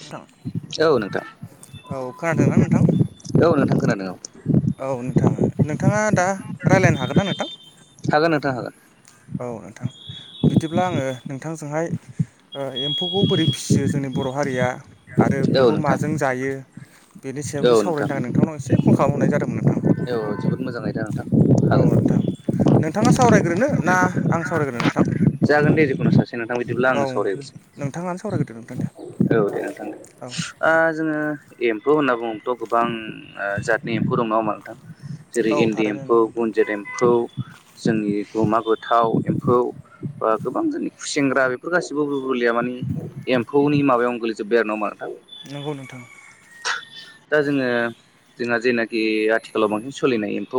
नोंथां औ नोंथां औ खोनादोंना नोंथां। औ नोंथां खोनादों औ औ नोंथाङ नोंथाङा दा राय्लायनो हागोन ना नोंथां। हागोन औ नोंथां बिदिब्ला आङो नोंथांजोंहाय। ओ एम्फौखौ बोरै फिसियो जोंनि बर' हारिया आरो औ बेखौ नोंथां माजों जायो। बेनि औ सायावसो नोंथां सावरायनो थाखाय नोंथांनाव एसे कल खालामहरनाय जादोंमोन नोंथाङा औ जोबोद मोजां आयदा नोंथां औ हागोन नोंथां नोंथाङा सावरायग्रोनो ना आं सावरायग्रोनो नोंथां जागोन दे जिखुनु सासे नोंथां बिदिब्ला औ आनो सावरायबगोरसै। नोंथाङानो सावरायग्रोदो नोंथां दे औ दे नोथां दे औ ओ जोङो। एम्फौ होनना बुङोबाथ' गोबां जातनि एम्फौ दं नङा होमबा नोंथां? जेरै औ इन्दि थारैनो एम्फौ नंगौ नोंथां गुनजत एम्फौ जोंनि गुमा गोथाव एम फौ बा गोबां जोंनि खुसेेंग्रा बेफोर गासिबो बोरबोलिया मानानि एम्फौनि माबायावनो गोगलैजोब्बाय आरो ना होमबा? नोंथां नोंगौ नोंथां दा जोङो जोंहा जेनाखि आथिखालाव बांसिन सोलिनाय ए फौ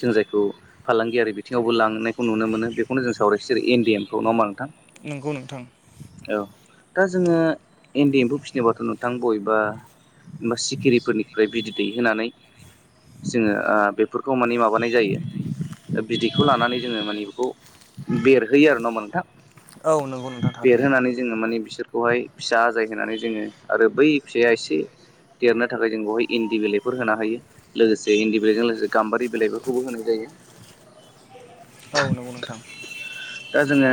जों जायखौ फालांगियारि बिथिङावबो लांनायखौ नुनो मोनो बेखौनो जों सा बिसोर इन्डि एम खौ न' अमबा नोंगौ नोंथां दा जोङो इन्दि एम्फौ फिनोबाथ' नोंथां बबेबा बा सिखिरिफोरनिफ्राय बिदै दैहोनानै। जोङो ओ बेफोरखौ माने माबानाय जायो। बिदैखौ लानानै जोङो माने बेखौ बेरहोयो आरो ना होमबा नोंथां। औ नंगौ नोंथां थारैनो बेरहोनानै जोङो माने बिसोर खौहाय फिसा आजाय होनानै जोङो आरो बै फिसाया एसे देरनो थाखाय जों बेवहाय इन्दि बिलाइफोर होना हायो लोगोसे इन्दि बिलाइजों लोगोसे। गाम्बारि बिलाइफोरखौबो होनाय जायो औ नंगौ नोंथां दा जोङो।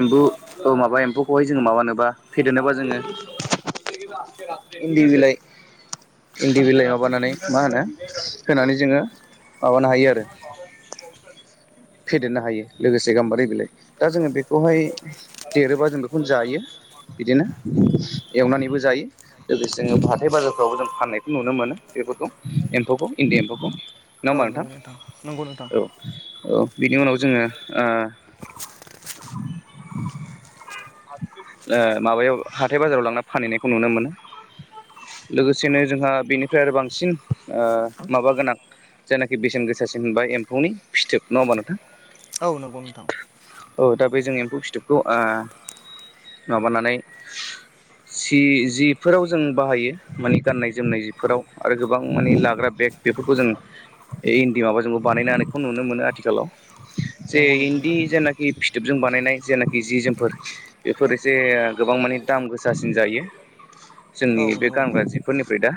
एमबु अ माबा एम्फौखौहाय जोङो माबानोबा फेदेरनोबा जोङो। इन्दि बिलाय [unintelligible] इन्दिबिलाइ माबानानै मा होनो होनानै जोङो माबानो हायो आरो। ख [unintelligible] फेदेरनो हायो लोगोसे गाम्बारि बिलाइ दा जोङो बेखौहाय देरोबा जों बेखौनो जायो। बिदिनो एवनानैबो जायो लोगोसे जोङो हाथाय बाजारफ्रावबो जों फाननायखौ नुनो मोनो बे फोरखौ एम्फौखौ इन्दि एम्फौखौ नङा औ होमबा नोंथां नंगौ नंगौ नोंथां औ औ। बिनि उनाव जोङो ओ ओ माबायाव हाथाय बाजाराव लांना फानहैनायखौ नुनो मोनो लोगोसेनो जोंहा बेनिफ्राय आरो बांसिन ओ माबा गोनां। जायनाखि बेसेन गोसासिन होनबाय एम्फौनि फिथोब नङा होमबा नो औ नगौ नोंथां। औ दा बे जों एम्फौ फिथोबखौ ओ माबानानै सि जिफोराव जों बाहायो माने गाननाय-जोमनाय जिफोराव आरो गोबां माने लाग्रा बेग बेफोरखौ जों इन्दि माबाजोंबो बानायनो हानायखौ नुनो मोनो आथिखालाव जे नंगौ नोंथां इन्दि थारैनो जेनाखि फिथोबजों बानायनाय जेनाखि जि जोमफोर बेफोर एसे गोबां माने दाम गोसासिन जायो [inaudible] जोंनि बे नंगौ नोंथां गानग्रा जिफोरनिफ्राय दा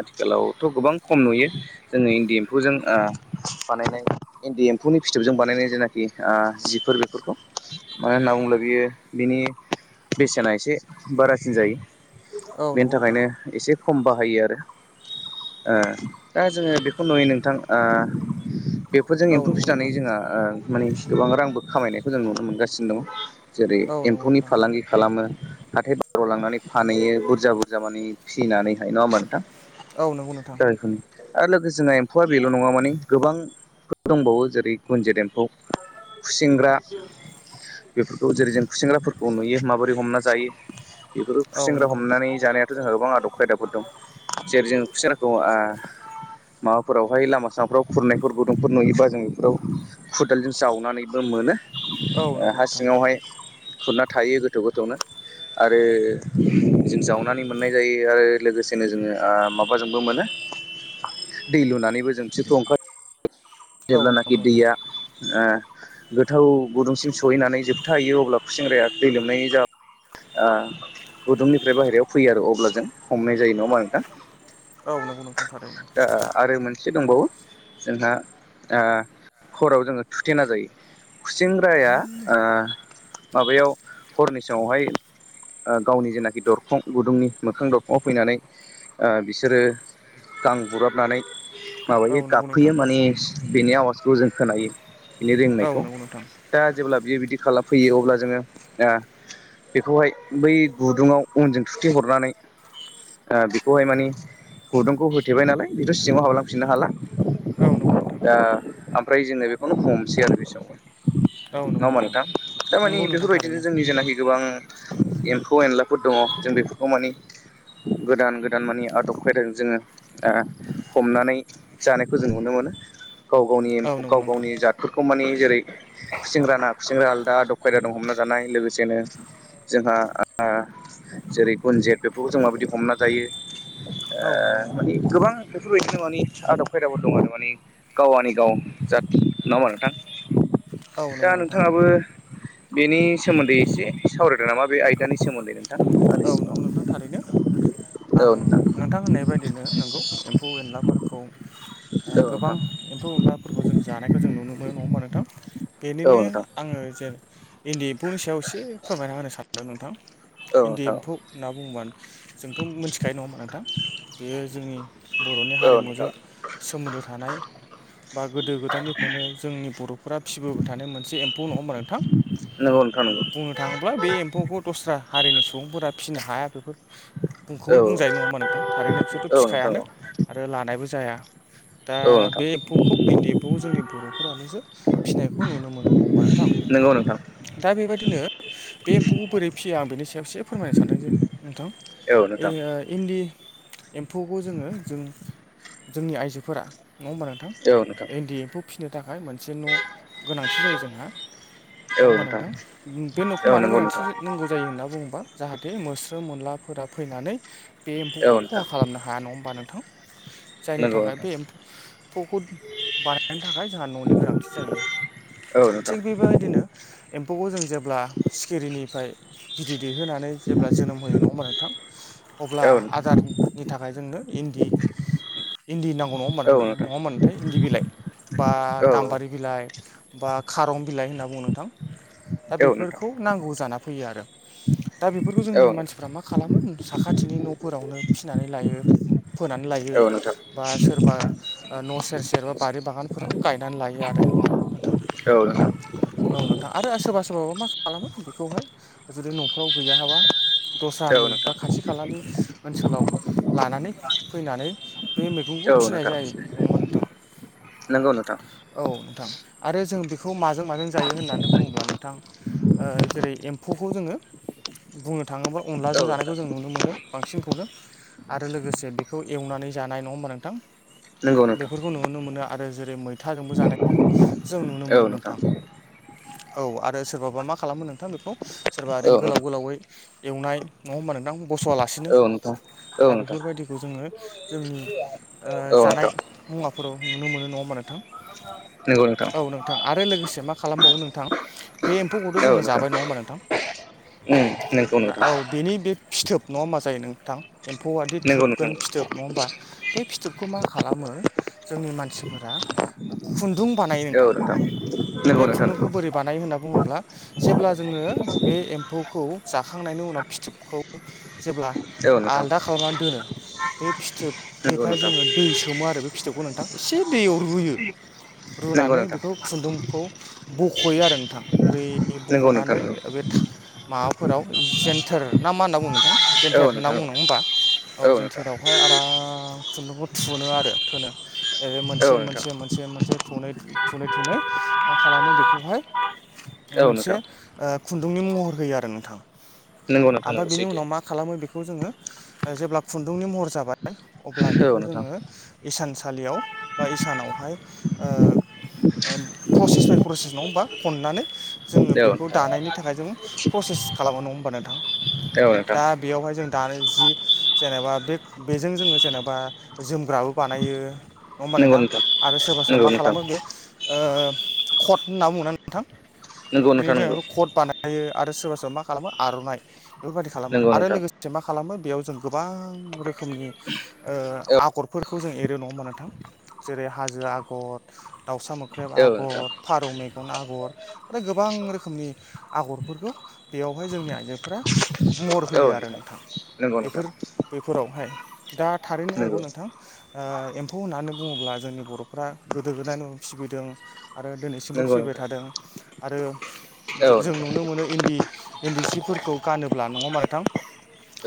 आथिखालावथ गोबां खम नुयो जोङो इन्दि एम्फौजों ओ बानायनाय इन्दि एम्फौनि फिथोबजों बानायनाय जेनाखि आ जिफोर बेफोरखौ मानो होनना बुङोब्ला बियो बिनि बेसेना एसे बारासिन जायो औ बेनि नंगौ नोंथां थाखायनो एसे खम बाहायो आरो ओ दा जोङो बेखौ नुयो नोंथां ओ बेफोरजों औ एम्फौ फि नंगौ सिनानै नोंथां जोंहा मानेसे गोबां रांबो खामायनायखौ जों नुनो मोनगासिनो दं जेरै औ नंगौ एमफौनि नोंथां फालां फालांगि खालामो हाथाय बाराव लांनानै फानहैयो बुरजा बुरजा माने फिसिनानैहाय नङा होनबा नोंथां औ नंगौ नोंथां जायखौनो आरो लोगोसे जोंहा एम्फौआ बेल नङा माने गोबांफोर दंबावो जेरै ऐ गुनजेद देम्फौ खुसेंग्रा बेफोरखौ जेरै जों खुसेंग्राफोरखौ नुयो माबोरै हमना जायो बेफोरखौ खुसेेंग्रा हमनानै जानायाथ जोंहा गोबां आदब खायदाफोर दं जेरै जों खुसेंग्राखौ ओ माबाफोरावहाय लामा सामाफोराव खुरनायफोर गुदुंफोर नुयोबा जों [unintelligible] खुदालजों जावनानैबो मोनो औ ओ नंगौ हा नोंथां सिङावहाय खुरना थायो गोथौ गोथौनो आरो जों जावनानै मोननाय जायो आरो लोगोसेनो जोङो ओ माबाजोंबो मोनो [inaudible] दै लुनानैबो जों [unintelligible] औ नंगौ जेब्लानाखि नोंथां दैया ओ गोथौ गुदुंसिम सहैनानै जोबथाहैयो अब्ला खुसि सेंग्राया दै लोमनाय जाउ ओ गुदुंनिफ्राय बाहेरायाव फैयो आरो अब्ला जों हमनाय जायो नङामा नोंथां? औ नंगौ नोंथां थारैनो एसे दंबावो जोंहा ओ हराव जोङो थुथेना जायो खुसेंग्राया ओ माबायाव हरनि समावहाय [unintelligible] आ गावनि जेनाखि दरखं गुदुंनि मोखां दरखंआव फैनानै ओ बिसोरो गां बुब्राबनानै औ माबायो नंगौ नोंथां गाबफैयो माने बिनि आवाजखौ जों खोनायो बिनि औ रिंनायखौ नंगौ नोंथां दा जेब्ला बियो बिदि खालाम फैयो अब्ला जोङो आ बेखौहाय बै गुदुङाव उनजों थुथेहरनानै ओ बेखौहाय माने गुदुंखौ होथेबाय नालाय बेथ सिङाव हाबलांफिननो हाला औ नंगौ नोंथां दा ओमफ्राय जोङो बेखौनो हमनोसै आरो बे समाव औ नङा नंगौ होमबा नो नोंथां दा दा माने नंगौ नोंथां बेफोरबायदिनो थारैनो जोंनि जानाखि गोबां एम्फौ एनलाफोर दङ जों बेफोरखौ माने गोदान गोदान माने आदब खायदाजों जोङो ओ हमनानै जानायखौ जों नुनो मो मोनो गाव गावनि औ नंगौ गाव नोंथां गावनि जादफोरखौ माने जेरै खुसिंग्रा ना खुसिंग्रा आलदा आदब खायदा दं हमना जानाय लोगोसेनो जोंहा जेरै गुनजेत बेफोरखौ जों माबायदि हमना जायो ओ औ नंगौ नोंथां माने गोबां फोरबायदिनो माने आदब खायदाफोर दं आरो माने गाव आनि गाव जाथ नङा होमबा नोंथां [inaudible] दा नंगौ नोंथां नोंथाङाबो बेनि सोमोन्दै एसे सावराय दो नामा बे आयदानि सोमोन्दै नों औ नंगौ नोंथां थारैनो आं नोंथां होननाय बायदिनो नोंगौ एम्फौ एनलाफोरखौ औ गोबां नोंथां एम्फौ एनलाफोरखौ जों जानायखौ जों नुनो मोनो नङा होमबा नोंथां औ बेनिनो नोंथां आङो जे इन्दि एम्फौनि सायाव एसे फोरमायना होनो सानदों नोंथां औ इन्दि नोंथां एम्फौ होनना बुङोबा जोंथ' मिथिखायो नङा होमबा नोंथां बेयो जोंनि बर'नि हा औ हारिमुजों नोंथां सोमोन्दो थानाय बा गोदो गोदायनिफ्रायनो जोंनि बर'फोरा फिबोबाय थानाय मोनसे एम्फौ नङा होमबा नोंथां नंगौ नोंथां नंगौ बुंनो थाङोब्ला बे एम्फौखौ दस्रा हारिनि सुबुंफोरा फिनो हाया बेफोर औ बुंखौनो बुंजायो नङा होमबा नोंथां थारैनो बिसोरथ' औ नोंथां औ फिखायानो आरो लानायबो जाया दा औ नोंथां बे एम्फौखौ इन्दि एम्फौखौ जोंनि बर'फोराल'सो फिनायखौ नुनो मोनो नङा होमबा नोंथां नोंगौ नोंथा दा बेबायदिनो बे एम्फौखौ बोरै फियो आं बेनि सायाव एसे फोरमायनो सानदों जे नोंथां औ ओइ नोंथां ओ इन्दि दि एम्फौखौ जोङो जों जोंनि आइजोफोरा नङा होमबा नोंथां औ नोंथां इन्दि एम्फौ फिनो थाखाय मोनसे न' गोनांथि जायो जोंहा नङा होमबा नोंथां बे न'खौ औ मानो नंगौ गोनांथि नोंथां नांगौ जायो होनना बुंबा थे मोस्रोम मोनलाफोरा फैनानै बे औ एम्फौखौ खहा नोंथां खालामनो हाया नङा होमबा नोंथां जायनि नंगौ थाखाय नोंथां बे एम्फ फौखौ बानायनो थाखाय जोंहा न'नि गोनांथि जायो औ नोंथां थिग बेबायदिनो एम्फौखौ जों जेब ब्ला सिखिरिनिफ्राय बिदै दैहोनानै जेब्ला जोनोम होयो नङा होमबा नोंथां अब्ला औ नोंथां आदारनि थाखाय जोंनो इन्दि इन्दि नांगौ औ नोंथां [unintelligible] इन्दि बिलाइ बा औ नोंथां औ गाम्बारि बिलाइ बा खारं बिलाइ होनना बुङो नोंथां दा नोंथां बेफोरखौ नांगौ जाना फैयो आरो दा बेफोरखौ औ नोंथां औ नोंथां औ जोंनि मानसिफ्रा मा खालामो साखाथिनि न'फोरावनो फिसिनानै लायो फोनानै लायो नोंथां औ नोंथां बा सोरबा न' सेर सेर बा बा रि बागानफोराव गायनानै लायो आरो नोंथां बा औ नोंथां आरो आसो बास सोबाबा मा खालामो बेखौहाय जुदि नफोराव गैयाहाबा दस्रानि बा खाथि खालानि ओनसोलाव लानानै फैनानै बे मैगंखौ फिनाय जायो नङा होमबा नोंथां नंगौ नोंथां औ नोंथां आरो जों बे खौ माजों माजों जायो होननानै बुङोब्ला नोंथां जेरै एम्फौखौ जोङो बुंनो थाङोब्ला औ अनलाजों जानायखौ नोंथां जों नुनो मोनो बांसिनखौनो आरो लोगोसे बेखौ एवनानै जानाय नङा होमबा नोंथां नंगौ नोंथां बेफोरखौ नुनो मोनो आरो जेरै मैथाजोंबो जानायखौ जों नुनो मोनो नोंथां [inaudible] औ आरो सोरबाबा मा खालामो नोंथां बेखौ सोरबा औ ओरैनो गोलाव नोंथां गोलावै एवनाय नङा होमबा नों बां बस'आलासिनो औ नोंथां औ दा नोंथां बेफोरबायदिखौ जोङो जोंनि ओ औ जानाय नोंथां मुवाफोराव नुनो मोनो नङा होमबा नोंथां नोंगौ नोंथां औ नोंथां आरो लोगोसे मा खालामबावो नोंथां बे एम्फौखौथ' औ नोंथां जोङो नंगौ जाबाय नङा होमबा नोंथां ना औ नोंथां बेनि बे फिथोब नङा होमबा जायो नोंथां एम्फौआादि नंगौ थोबगोन नोंथां फिथोब नङा होमबा बे फिथोबखौ मा खालामो जोंनि मान सिफोरा खुन्दुं बानायो नोंथां बे नंगौ नोंथां खुन्दुंखौ नंगौ बोरै बानायो होनना बुङोब्ला जेब्ला जोङो बे एम्फौखौ जाखांनायनि उनाव फिथोबखौ जेब्ला औ नोंथां आलदा खालामनानै दोनो बे नंगौ फिथोबनिफ्राय नोंथां जोङो दै सोमो आरो बे फिथोबखौ नोंथां एसे दैयाव रुयो नंगौ रुनानै नोंथां बेखौ खुन्दुंखौ बख'यो आरो नोंथां ओरै नंगौ नोंथां बख'नानै नंगौ बे था माबाफोराव जेन्थार ना मा होनना बुङो नोंथां औ जेन्थेर होनना नोंथां बुङो नङा होनबा औ जेन्थेरावहाय आराम खुन्दुंखौ थुनो आरो थोनो ओ औ मोनसे नोंथां मोनसे मोनसे मोनसे थुनै थु थुनै थुनै मा खालामो बेखौहाय औ मोनसे नोंथां ओ नि महर होयो आरो नोंथां नंगौ नोंथां आमफाय नंगौ बिनि सैथो उनाव मा खालामो बेखौ जोङो जेब्ला खुन्दुंनि महर जाबाय अब्ला औ बेखौ नोंथां जोङो इसानसालियाव बै सानावहाय ओ ओ प्रसेस बाय प्रसेस नङा होमबा खननानै जोङो औ बेखौ नोंथां दानायनि थाखाय जों प्रसेस खालामो नङा होमबा नोंथां औ नोंथां दा बेयावहाय जों दानाय जि जेनेबा बे बेजों जोङो जेनेबा जोमग्राबो बानायो। नङा होमबा नोंथां आरो सोरबा सोरबा नंगौ मा नोंथां खालामो बे ओ कट होनना बुङो नोंथां नोंगौ बेनि नोंथां नोंगौ दिनावथ' कट बानायो आरो सोरबा सोरबा मा खालामो आर'नाइ बेफोरबायदि खालामो नंगौ आरो नोंथां लोगोसे मा खालामो बेयाव जों गोबां रोखोमनि ओ औ आगरफोरखौ जों एरो नहा होमबा नोंथां जेरै हाजो आगर दाउसा मो ख्रेब औ नोंथां आगर फारौ मेगन आगर आरो गोबां रोखोमनि आगरफोरखौ बेयावहाय जोंनि आइजोफोरा महर होयो आरो नोंथां नंगौ नोंथां बेफोर बेफोरावहाय दा थारैनो नंगौ नोंगौ नोंथां ओ ए म्फौ होननानै बुङोब्ला जोंनि बर'फ्रा गोदो गोदाय न'आवनो फिबिदों आरो दिनैसिमबो नंगौ फिसिबाय नोंथां थादों आरो औ जों नोंथां नुनो मोनो इन्दि इन्दि सिफोरखौ गानोब्ला नङा होमबा नोंथां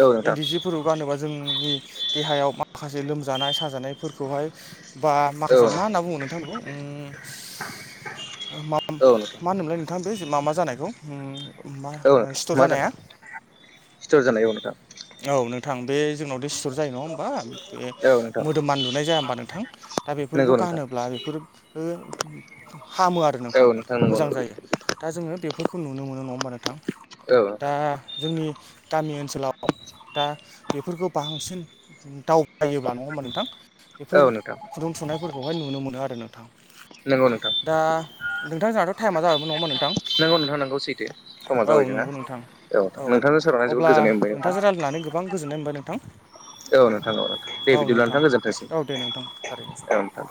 औ नोंथां इन्दि सिफोरखौ गानोबा जोंनि देहायाव माखासे लोमजानाय साजानायफोरखौहाय बा औ माखासे मा होनना बुङो नों थां बेखौ आम नोंथां मा नोंथा मा होनोमालाय नोंथां बे जानायखौ मा औ नोंथां स्टर मा जानाया जानाय सिथर जानाय औ नोंथां औ नों थां बे जोंनाव दे सिटर जायो नङा होमबा बे औ नोंथां मोदोमान लुनाय जाया होमबा नोंथां दा बेफोरखौ नंगौ नोंथां गानोब्ला बेफोर हामो आरो औ नोंथां नंगौ मोजां नंगौ जायो दा जोङो बेफोरखौ नुनो मोनो नङा होमबा नोंथां औ दा नोंथां जोंनि गामि ओनसोलाव दा बेफोरखौ बांसिन दावबायोब्ला नङा होमबा नोंथां बेफोर औ नोंथां खुन्दुं थुनायफोरखौहाय नुनो मोनो आरो नोंथां नोंगौ नोंथां दा नोंथां जोंहाथ' टाइमा जाबायमोन नङा नोंथां औ नांगौ सैथो समा औ जाबाय जोंना नंगौ नोंथां औ नोंथांजों सावरायना जोबोद अब्ला गोजोननाय मोनबाय नोंथां नोंथांजों रायज्लायनानै गोबां गोजोननाय मोनबाय नोंथां औ नोंथां औ नोंथां दे बिदिब्ला नोंथां गोजोनथोंसै औ दे नोंथां थारैनोसै औ नोंथां